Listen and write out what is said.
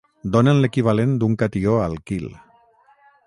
Donen l’equivalent d’un catió alquil.